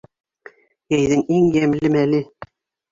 Йәйҙең иң йәмле мәле.